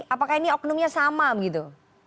apakah ini oknumnya sama begitu